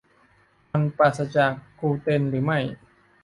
มันปราศจากกลูเตนหรือไม่ ?